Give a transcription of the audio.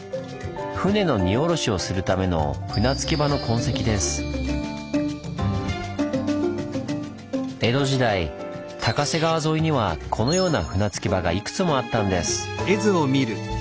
船の荷降ろしをするための江戸時代高瀬川沿いにはこのような船着き場がいくつもあったんです。